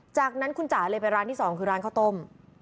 จากนั้นคุณจ๋าเลยไปร้านที่๒คือร้านข้าวต้ม